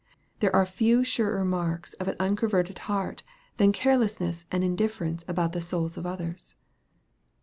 There are few surer marks of an unconverted heart, than carelessness and indifference about the souls of others.